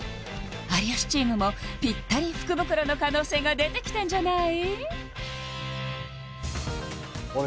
有吉チームもぴったり福袋の可能性が出てきたんじゃない？